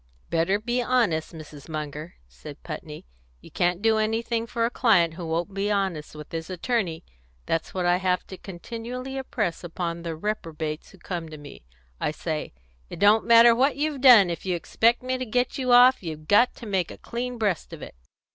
"Better be honest, Mrs. Munger," said Putney. "You can't do anything for a client who won't be honest with his attorney. That's what I have to continually impress upon the reprobates who come to me. I say, 'It don't matter what you've done; if you expect me to get you off, you've got to make a clean breast of it.'